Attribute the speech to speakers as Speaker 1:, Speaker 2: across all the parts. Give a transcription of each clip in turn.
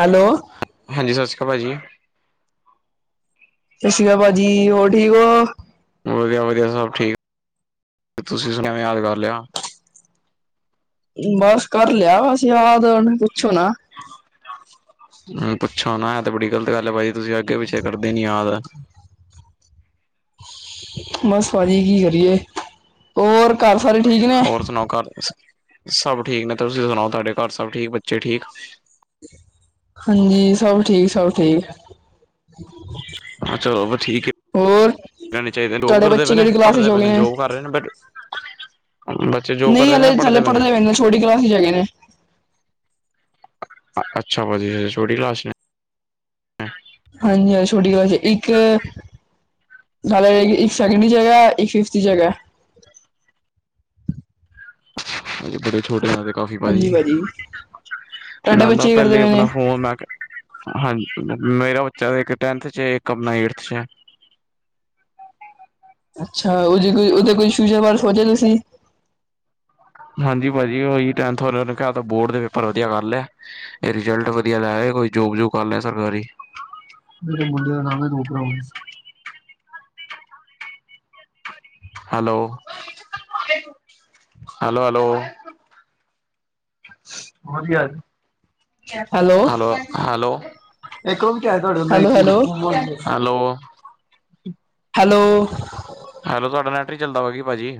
Speaker 1: Hello. ਸਤਿ
Speaker 2: ਹਾਂਜੀ ਸਸ ਸਸ਼੍ਰੀ ਕਾਲ ਭਾਜੀ।
Speaker 1: ਸਸ ਸ਼੍ਰੀ ਕਾਲ ਭਾਜੀ ਹੋਰ ਠੀਕ ਓ?
Speaker 2: ਵਦੀਆ-ਵਦੀਆ, ਸਭ ਠੀਕ ਤੁਸੀਂ [unintelligible] ਯਾਦ ਕਰ ਲੇਆ।
Speaker 1: ਬਸ ਕਰ ਲੇਆ ਬਸ ਯਾਦ ਹੁਣ ਪੁੱਛੋ ਨਾ।
Speaker 2: ਹੂੰ, ਪੁੱਛੋ ਨਾ ਐ ਤੇ ਬੜੀ ਗ਼ਲਤ ਗੱਲ ਐ ਭਾਜੀ, ਤੁਸੀਂ ਅੱਖੇ ਪਿੱਛੇ ਕਰਦੇ ਨੀ ਯਾਦ।
Speaker 1: ਬਸ ਭਾਜੀ ਕੀ ਕਰੀਏ, ਹੋਰ ਘਰ ਸਾਰੇ ਠੀਕ ਨੇ?
Speaker 2: [unintelligible] ਸਭ ਠੀਕ ਨੇ ਤੁਸੀਂ ਸੁਨਾਓ, ਤਾਡੇ ਘਰ ਸਭ ਠੀਕ, ਬੱਚੇ ਠੀਕ?
Speaker 1: ਹਾਂਜੀ, ਸਭ ਠੀਕ, ਸਭ ਠੀਕ।
Speaker 2: ਹਾਂ ਚੱਲੋ ਬਾ ਠੀਕ
Speaker 1: ਹੋਰ
Speaker 2: ਰੈਣੇ ਚਾਈਦੇ, ਜੋਬ
Speaker 1: ਤੁਹਾਡੇ
Speaker 2: ਕਰਦੇ ਪਏ
Speaker 1: ਬੱਚੇ
Speaker 2: ਨੇ,
Speaker 1: ਕਿਹੜੀ ਕਲਾਸ ਵਿੱਚ
Speaker 2: ਪੜ੍ਹਦੇ
Speaker 1: ਹੋ
Speaker 2: ਪਏ
Speaker 1: ਗਏ
Speaker 2: ਨੇ ਜੋਬ ਕਰ ਰੇ ਨੇ ਬ ਬੱਚੇ ਜੋਬ ਕਰਦੇ ਪਏ ਨੇ, ਪੜ੍ਹਦੇ ਪਏ ਨੇ?
Speaker 1: ਛੋਟੀ ਕਲਾਸ 'ਚ ਹੈਗੇ ਨੇ।
Speaker 2: ਅੱਛਾ ਪਾਜੀ, ਹਜੇ ਛੋਟੀ ਕਲਾਸ 'ਚ ਨੇ।
Speaker 1: ਹਾਂਜੀ ਹਜੇ ਛੋਟੀ ਕਲਾਸ 'ਚ ਇੱਕ ਹਾਲੇ ਇੱਕ, ਇੱਕ ਸੈਕਿੰਡ 'ਚ ਹੈਗਾ, ਇੱਕ ਫਿਫਥ 'ਚ ਹੈਗਾ।
Speaker 2: ਹਾਂਜੀ ਬੜੇ ਛੋਟੇ [unintelligible] ਕਾਫ਼ੀ ਪਾਜੀ,
Speaker 1: ਹਾਂਜੀ ਭਾਜੀ ਤੁਹਾਡੇ
Speaker 2: ਏਨਾਂ
Speaker 1: ਬੱਚੇ
Speaker 2: ਦਾ
Speaker 1: ਕੀ ਕਰਦੇ
Speaker 2: ਪੈਲੇ
Speaker 1: ਪਏ ਨੇ
Speaker 2: ਅਪਨਾ ਫੋਨ ਮੈਂ ਕੇ ਹਾਂਜੀ, ਮੇਰਾ ਬੱਚਾ ਤਾਂ ਇੱਕ ਟੈਨਥ 'ਚ ਇੱਕ ਅਪਨਾ ਏੜਥ 'ਚ ਐ।
Speaker 1: ਅੱਛਾ, ਓਦੇ ਕੋਈ, ਓਦੇ ਕੋਈ ਫਿਊਚਰ ਬਾਰੇ ਸੋਚੇਆ ਤੁਸੀਂ
Speaker 2: ਹਾਂਜੀ ਭਾਜੀ ਓਹੀ ਟੈਂਨਥ ਔਰ [unintelligible] ਬੋਰਡ ਦੇ ਪੇਪਰ ਵਧੀਆ ਕਰ ਲੈ। ਤੇ ਰਿਜ਼ਲਟ ਵਦੀਆ ਲੈ ਆਏ, ਕੋਈ ਜੋਬ ਜੂਬ ਕਰਲੈ ਸਰਕਾਰੀ। ਮੇਰੇ ਮੁੰਡੇ ਦਾ ਨਾਮ ਐ [unintelligible] hello, hello, hello. [unintelligible] Hello, hello. Hello.
Speaker 1: Hello hello hello.
Speaker 2: Hello ਤੁਆਡਾ ਨੈਟ ਨੀ ਚੱਲਦਾ ਪੇਆ ਕਿ ਭਾਜੀ?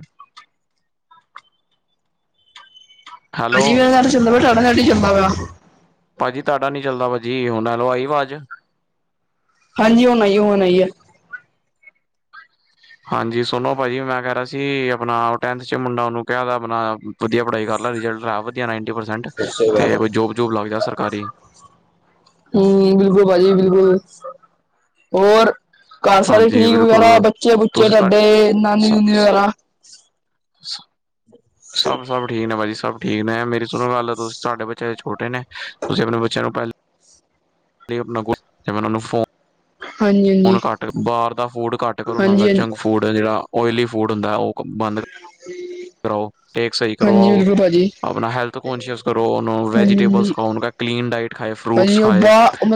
Speaker 1: ਭਾਜੀ
Speaker 2: ਹੈਲੋ।
Speaker 1: ਮੇਰਾ ਨੈਟ ਤੇ ਚੱਲਦਾ ਪੇਆ, ਤੁਆਡਾ ਨੈਟ ਨੀ ਚੱਲਦਾ ਪੇਆ।
Speaker 2: ਭਾਜੀ ਤੁਆਡਾ ਨੀ ਚੱਲਦਾ ਭਾਜੀ ਹੁਨ ਐ ਲੋ ਆਈ ਵਾਜ?
Speaker 1: ਹਾਂਜੀ ਹੁਨ ਆਈ ਐ, ਹੁਨ ਆਈ ਐ।
Speaker 2: ਹਾਂਜੀ ਸੁਨੋ ਭਾਜੀ ਮੈਂ ਕੈ ਰਾ ਸੀ ਅਪਨਾ ਟੈਨਥ 'ਚ ਮੁੰਡਾ ਓਨੂੰ ਕੇਆ ਵਾ ਅਪਨਾ ਵਧੀਆ ਪੜ੍ਹਾਈ ਕਰਲਾ ਰਿਜ਼ਲਟ ਲਿਆ ਵਧੀਆ ਨਾਈਨਟੀ ਪਰਸੈਂਟ ਤੇ ਕੋਈ ਜੋਬ ਜੂਬ ਲੱਗ ਜਾ ਸਰਕਾਰੀ
Speaker 1: ਹੂੰ ਬਿਲਕੁਲ ਭਾਜੀ ਬਿਲਕੁਲ ਹੋਰ ਘਰ ਸਾਰੇ
Speaker 2: ਹਾਂਜੀ
Speaker 1: ਠੀਕ ਵਗੈਰਾ
Speaker 2: ਬਿਲਕੁਲ
Speaker 1: ਬੱਚੇ ਬੁੱਚੇ
Speaker 2: ਤੁਸੀਂ
Speaker 1: ਤੁਹਾਡੇ ਨਾਨੀ ਨੂਨੀ ਵਗੈਰਾ।
Speaker 2: [inaudible] ਸਭ-ਸਭ ਠੀਕ ਨੇ ਭਾਜੀ ਸਭ ਠੀਕ ਨੇ। ਮੇਰੀ ਸੁਣੋ ਗੱਲ ਤੁਸੀਂ ਤੁਹਾਡੇ ਬੱਚਿਆਂ ਛੋਟੇ ਨੇ ਤੁਸੀਂ ਆਪਣੇ ਬੱਚਿਆਂ ਨੂੰ ਪਹਿਲ [unintelligible]
Speaker 1: ਹਾਂਜੀ ਹਾਂਜੀ
Speaker 2: ਹੁਣ ਘੱਟ ਬਾਹਰ ਦਾ ਫੂਡ ਘੱਟ ਕਰੋ
Speaker 1: ਹਾਂਜੀ
Speaker 2: ਦਾ
Speaker 1: ਹਾਂਜੀ
Speaker 2: ਜੰਕ ਫੂਡ ਜਿਹੜਾ ਉਲੀ ਫੂਡ ਹੁੰਦਾ ਉਹ ਬੰਦ
Speaker 1: [unintelligible]
Speaker 2: ਕਰਾਓ ਟੇਕ ਸਹੀ
Speaker 1: ਹਾਂਜੀ
Speaker 2: ਕਰਵਾਓ
Speaker 1: ਬਿਲਕੁਲ ਭਾਜੀ
Speaker 2: ਆਪਣਾ ਹੈਲਥ ਕੋਨਸੀਐਸ ਕਰੋ ਉਹਨੂੰ
Speaker 1: ਹਾਂਜੀ
Speaker 2: ਵੈਜੀਟੇਬਲ
Speaker 1: ਹਾਂਜੀ
Speaker 2: ਖਾਓ ਉਹਨੂੰ ਕਹਿ ਕਲੀਨ ਡਾਇਟ ਖਾਏ ਫਰੂਟਸ
Speaker 1: ਭਾਜੀ ਉਹ
Speaker 2: ਖਾਏ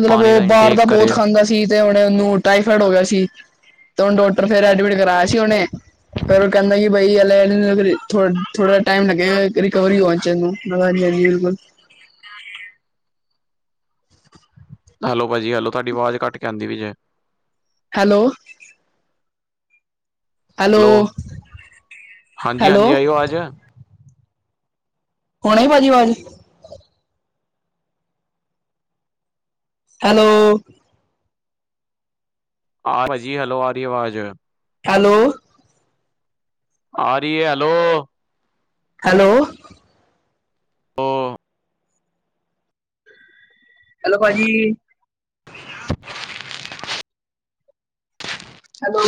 Speaker 2: ਪਾਣੀ ਦਾ ਇਨਟੇਕ ਕਰੇ।
Speaker 1: ਚੀਜ਼ ਉਹਨੂੰ ਟਾਈਫਾਈਡ ਹੋ ਗਿਆ ਸੀ। ਤੇ ਡਾਕਟਰ [unintelligible] ਕਰਾਇਆ ਸੀ ਉਹਨੇ ਫਿਰ ਉਹ ਕਹਿੰਦਾ [unintelligible] ਥੋ-ਥੋੜਾ ਟਾਈਮ ਲੱਗੇਗਾ ਰਿਕਵਰੀ ਹੋਣ ਚ ਇਹਨੂੰ [unintelligible]
Speaker 2: [unintelligible] ਹੈਲੋ ਭਾਜੀ ਹੈਲੋ ਤੁਹਾਡੀ ਆਵਾਜ਼ ਘੱਟ ਕੇ ਆਉਂਦੀ ਪਈ ਜੇ।
Speaker 1: ਹੈਲੋ।
Speaker 2: ਹੈਲੋ ਹਾਂਜੀ ਹਾਂਜੀ
Speaker 1: ਹੈਲੋ
Speaker 2: ਆਈ ਆਵਾਜ
Speaker 1: ਹੁਣ ਆਈ ਭਾਜੀ ਆਵਾਜ਼ ਹੈਲੋ।
Speaker 2: ਆਹ ਭਾਜੀ ਹੈਲੋ ਆ ਰਹੀ ਆਵਾਜ਼।
Speaker 1: ਹੈਲੋ।
Speaker 2: ਆ ਰਈ ਏ ਹੈਲੋ
Speaker 1: ਹੈਲੋ
Speaker 2: ਆ
Speaker 1: ਹੈਲੋ ਭਾਜੀ ਹੈਲੋ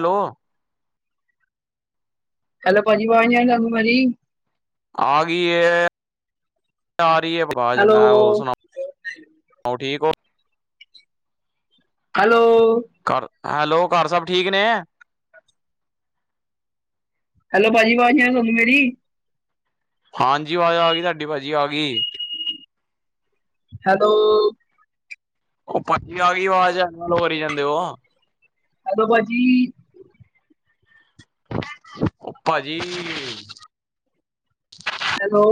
Speaker 2: ਹੈਲੋ
Speaker 1: ਹੈਲੋ ਭਾਜੀ ਅਵਾਜ ਨੀ ਆ ਰਹੀ ਤੁਹਾਨੂੰ ਮੇਰੀ
Speaker 2: ਆ ਗਈ ਏ ਆ ਰਹੀ ਏ ਆਵਾਜ਼
Speaker 1: ਹੈਲੋ
Speaker 2: ਮੈਂ ਹੋਰ ਸੁਣਾ ਹੋਰ ਠੀਕ ਹੋ
Speaker 1: ਹੈਲੋ
Speaker 2: ਘਰ ਹੈਲੋ ਘਰ ਸਭ ਠੀਕ ਨੇ
Speaker 1: ਹੈਲ ਭਾਜੀ ਆਵਾਜ਼ ਨੀ ਆ ਰਹੀ ਤੁਹਾਨੂੰ ਮੇਰੀ
Speaker 2: ਹਾਂਜੀ ਆਵਾਜ਼ ਆ ਗਈ ਤੁਹਾਡੀ ਭਾਜੀ ਆ ਗਈ
Speaker 1: ਹੈਲੋ
Speaker 2: ਉਹ ਭਾਜੀ ਆਗੀ ਆਵਾਜ਼ [unintelligible]
Speaker 1: ਹੈਲੋ ਭਾਜੀ
Speaker 2: ਉਹ ਭਾਜੀ
Speaker 1: ਹੈਲੋ